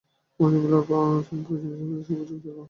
মহসিন বলল, আপা, তুমি প্রয়োজনীয় জিনিসপত্র সব গুছিয়ে রােখ।